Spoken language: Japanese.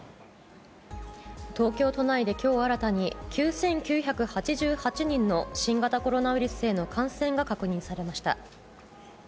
東京都内できょう新たに、９９８８人の新型コロナウイルスへの感染が確認されました。